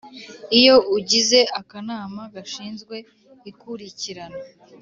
Iyo ugize akanama gashinzwe ikurikirana